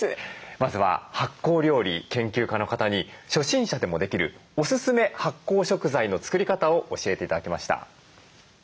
まずは発酵料理研究家の方に初心者でもできるおすすめ発酵食材の作り方を教えて頂きました。